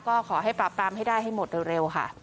ก็ขอให้ปราบปรามให้ได้ให้หมดเร็วค่ะ